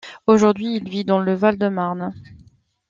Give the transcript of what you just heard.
Aujourd'hui, il vit dans le Val de Marne.